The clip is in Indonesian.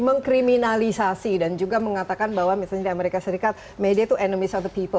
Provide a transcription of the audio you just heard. mengkriminalisasi dan juga mengatakan bahwa misalnya di amerika serikat media itu enemist of the people